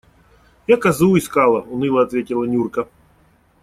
Я козу искала, – уныло ответила Нюрка.